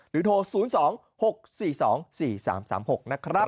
โทร๐๒๖๔๒๔๓๓๖นะครับ